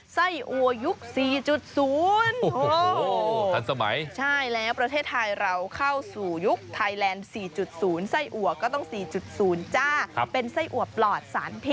สัยอัวยุค๔๐อันสมัยผ่านแล้วประเทศไทยเราเข้าสู่ยุคไทย๔๐ไส้หัวก็ต้อง๔๐จ้าเป็นอภาพ